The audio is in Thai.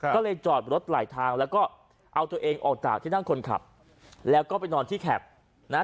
ก็เลยจอดรถไหลทางแล้วก็เอาตัวเองออกจากที่นั่งคนขับแล้วก็ไปนอนที่แคปนะฮะ